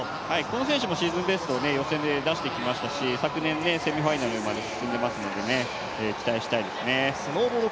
この選手もシーズンベストを予選で出してきましたし昨年セミファイナルまで進んでいますので期待したいですね。